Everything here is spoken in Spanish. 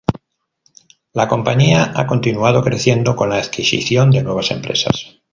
La compañía ha continuado creciendo con la adquisición de nuevas empresas.